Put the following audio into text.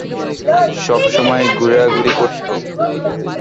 সব সময় ঘুরাঘুরি করতো।